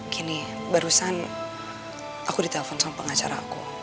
gini barusan aku ditelepon soal pengacaraku